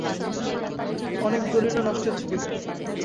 অনেক দলিল নষ্টের ঝুঁকিতে।